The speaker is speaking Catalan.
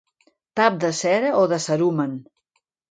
Tap de cera o de cerumen.